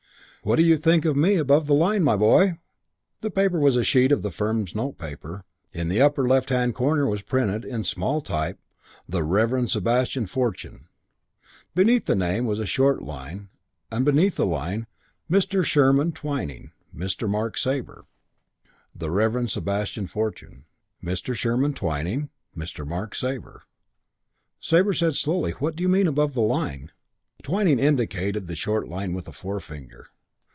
"What do you think of me above the line, my boy?" The paper was a sheet of the firm's notepaper. In the upper left hand corner was printed in small type, "The Rev. Sebastian Fortune." Beneath the name was a short line and beneath the line, "Mr. Shearman Twyning. Mr. Mark Sabre": The Rev. Sebastian Fortune. Mr. Shearman Twyning. Mr. Mark Sabre. Sabre said slowly, "What do you mean you 'above the line'?" Twyning indicated the short line with a forefinger.